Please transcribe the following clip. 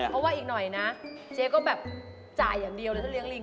เพราะว่าอีกหน่อยนะเจ๊ก็แบบจ่ายอย่างเดียวเลยถ้าเลี้ยลิง